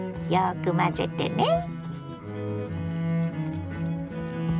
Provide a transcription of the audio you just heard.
よく混ぜてね。